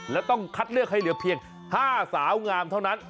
และต้องคัดเลือกให้เหลือเพียง๕สาวงามเท่านั้น